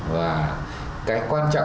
và cái quan trọng